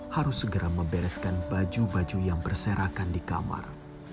harus segera membereskan baju baju yang berserakan di kamar